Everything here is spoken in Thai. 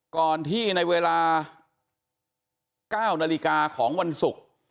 ก่อนที่ในเวลา๙นาฬิกาของวันศุกร์